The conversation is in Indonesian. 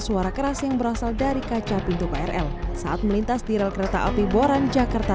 suara keras yang berasal dari kaca pintu krl saat melintas di rel kereta api boran jakarta